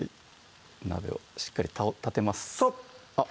鍋をしっかり立てますさっ！